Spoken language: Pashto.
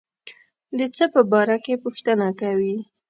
د څه په باره کې پوښتنه کوي.